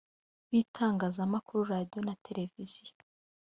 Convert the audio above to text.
bitangazamakuru radiyo na televiziyo